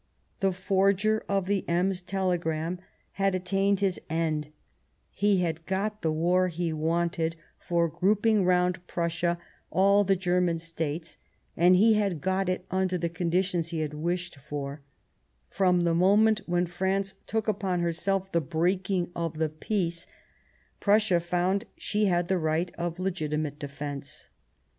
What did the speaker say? The forger of the Ems telegram had attained his end ; he had got the war he wanted for grouping 130 The War of 1870 round Prussia all the German States, and he had got it under the conditions he had wished ; for, ' from the moment when France took upon herself the breaking of the peace, Prussia found she had the right of legitimate defence.